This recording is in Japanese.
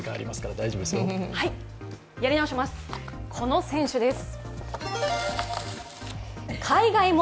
この選手です。